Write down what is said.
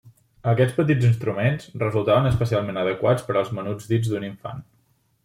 Aquests petits instruments resultaven especialment adequats per als menuts dits d'un infant.